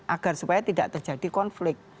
agar supaya tidak terjadi konflik